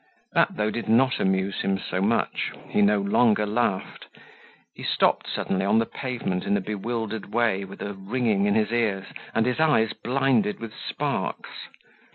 That though did not amuse him so much. He no longer laughed; he stopped suddenly on the pavement in a bewildered way with a ringing in his ears and his eyes blinded with sparks.